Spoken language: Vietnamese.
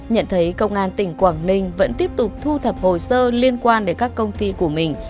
nhận thấy công an tỉnh quảng ninh vẫn tiếp tục thu thập hồ sơ liên quan đến các công ty của mình